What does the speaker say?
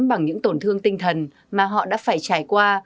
bằng những tổn thương tinh thần mà họ đã phải trải qua